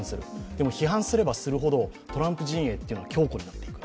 でも、批判すればするほどトランプ陣営は強固になっていく。